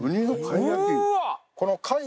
うわ！